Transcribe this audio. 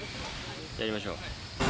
やりましょう。